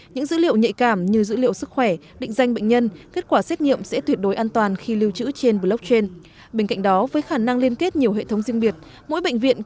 những dữ liệu nhạy cảm như dữ liệu sức khỏe định danh bệnh nhân kết quả xét nghiệm sẽ tuyệt đối an toàn khi lưu trữ trên blockchain